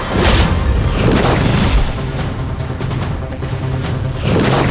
kau tidak bisa menang